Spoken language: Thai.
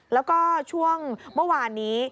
แล้วก็ช่วงเมื่อวานนี้